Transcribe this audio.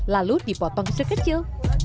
lalu dipotong sekecil